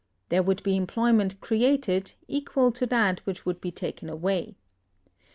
There would be employment created, equal to that which would be taken away.